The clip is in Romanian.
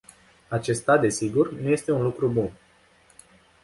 Acesta, desigur, nu este un lucru bun.